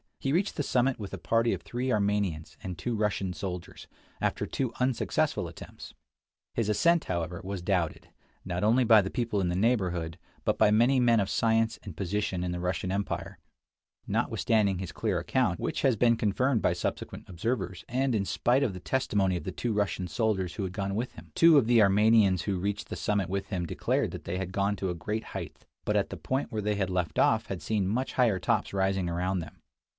He reached the summit with a party of three Armenians and two Russian soldiers, after two unsuccessful attempts. His ascent, however, was doubted, not only by the people in the neighborhood, but by many men of science and position in the Russian empire, notwithstanding his clear account, which has been confirmed by subsequent observers, and in spite of the testimony of the two Russian soldiers who had gone with him. l Two of the Armenians who reached the summit with him declared that they had gone to a great height, but at the point where they had left off had seen much higher tops rising around them.